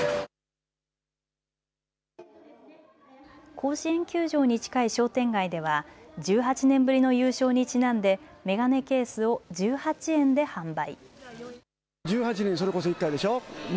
甲子園球場に近い商店街では１８年ぶりの優勝にちなんで眼鏡ケースを１８円で販売。